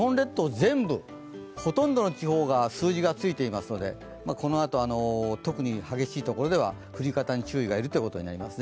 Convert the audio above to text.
全部、ほとんどの地方が数字がついていますので、このあと、特に激しいところでは降り方に注意が要ることになります。